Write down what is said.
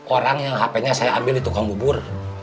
orang yang hpnya saya ambil di tukang bubur